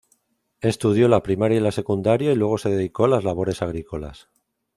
Estudió la primaria y la secundaria y luego se dedicó a las labores agrícolas.